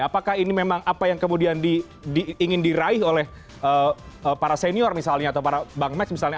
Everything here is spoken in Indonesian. apakah ini memang apa yang kemudian ingin diraih oleh para senior misalnya atau para bang max misalnya